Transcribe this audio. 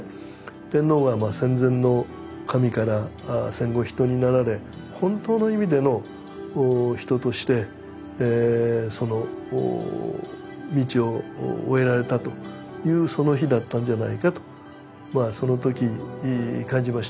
天皇が戦前の神から戦後人になられ本当の意味での人としてその道を終えられたというその日だったんじゃないかとまあそのとき感じました。